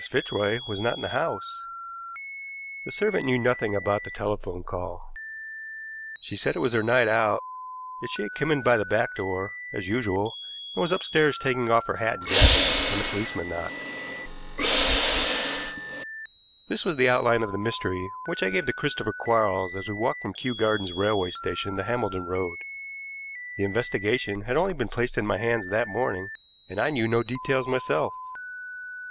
Fitzroy was not in the house. The servant knew nothing about the telephone call. She said it was her night out, that she had come in by the back door, as usual, and was upstairs taking off her hat and jacket when the policeman knocked. This was the outline of the mystery which I gave to Christopher Quarles as we walked from Kew Gardens Railway Station to Hambledon Road. The investigation had only been placed in my hands that morning, and I knew no details myself.